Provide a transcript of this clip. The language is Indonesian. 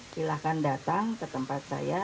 silahkan datang ke tempat saya